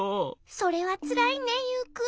それはつらいねユウくん。